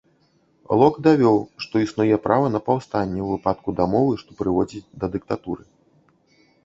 Лок давёў, што існуе права на паўстанне ў выпадку дамовы, што прыводзіць да дыктатуры.